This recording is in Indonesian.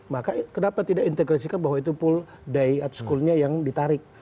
maka kenapa tidak integrasikan bahwa itu pool day at school nya yang ditarik